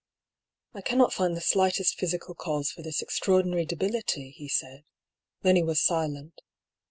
" I cannot find the slightest physical cause for this extraor dinary debility," he said. Then he was silent.